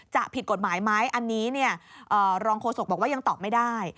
จะผิดกฎหมายไหมอันนี้รองโฆษกบอกว่ายังตอบไม่ได้